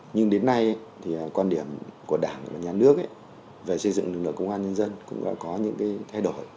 nhưng đến nay thì quan điểm của đảng và nhà nước về xây dựng lực lượng công an nhân dân cũng đã có những cái thay đổi